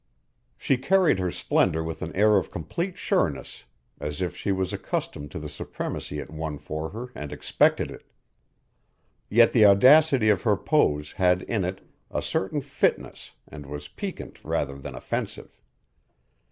She carried her splendor with an air of complete sureness as if she was accustomed to the supremacy it won for her and expected it. Yet the audacity of her pose had in it a certain fitness and was piquant rather than offensive.